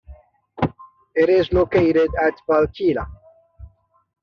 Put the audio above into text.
It is located at Valkeala.